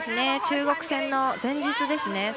中国戦の前日ですね。